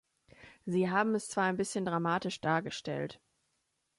Sie haben es zwar ein bisschen dramatisch dargestellt.